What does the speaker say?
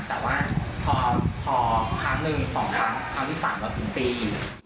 แต่ว่าพอครั้งหนึ่ง๒ครั้งครั้งที่๓เราถึงตี